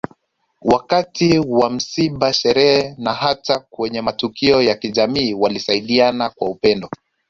Wakati wa misiba sherehe na hata kwenye matukio ya kijamii walisaidiana kwa upendo